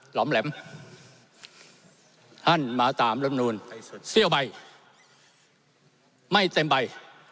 หล่อมแหลมท่านมาตามรัฐมนตรีเสี้ยวใบไม่เต็มใบ